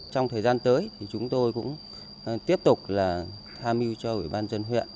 trong thời gian tới chúng tôi cũng tiếp tục tham ưu cho ủy ban dân huyện